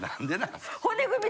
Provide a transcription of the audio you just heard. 骨組み。